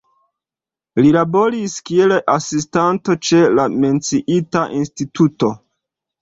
Li laboris kiel asistanto ĉe la menciita instituto.